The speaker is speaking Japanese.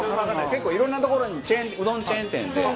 結構いろんな所にうどんチェーン店で。